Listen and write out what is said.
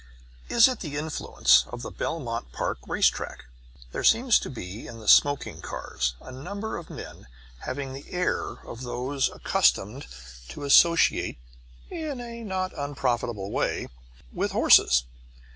Is it the influence of the Belmont Park race track? There seem to be, in the smoking cars, a number of men having the air of those accustomed to associate (in a not unprofitable way) with horses.